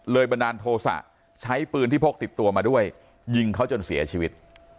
บันดาลโทษะใช้ปืนที่พกติดตัวมาด้วยยิงเขาจนเสียชีวิต